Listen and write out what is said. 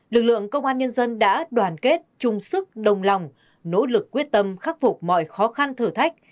lực lượng công an nhân dân đã đoàn kết chung sức đồng lòng nỗ lực quyết tâm khắc phục mọi khó khăn thử thách